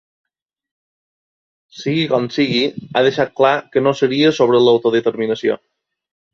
Sigui com sigui, ha deixat clar que no seria sobre l’autodeterminació.